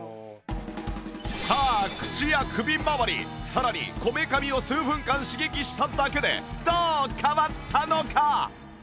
さらにこめかみを数分間刺激しただけでどう変わったのか？